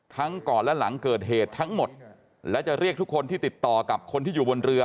ก่อนและหลังเกิดเหตุทั้งหมดและจะเรียกทุกคนที่ติดต่อกับคนที่อยู่บนเรือ